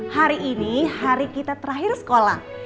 hari ini hari kita terakhir sekolah